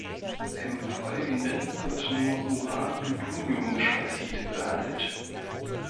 Im Folgenden wird nur Uran-Plutonium-Mischoxid behandelt.